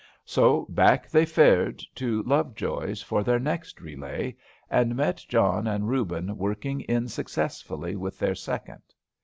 So back they fared to Lovejoy's for their next relay, and met John and Reuben working in successfully with their second.